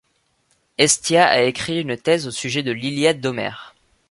Hestiaea a écrit une thèse au sujet de l'Iliade d'Homère.